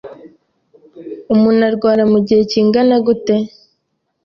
Umuntu arwara mu gihe kingana gute